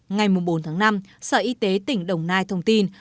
ngày bốn tháng năm sở y tế tỉnh đồng nai thông tin